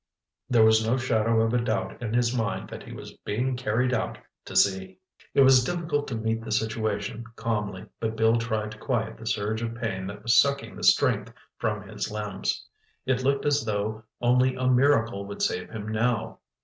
There was no shadow of doubt in his mind that he was being carried out to sea. It was difficult to meet the situation calmly, but Bill tried to quiet the surge of pain that was sucking the strength from his limbs. It looked as though only a miracle would save him now.